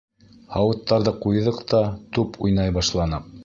Һауыттарҙы ҡуйҙыҡ та туп уйнай башланыҡ.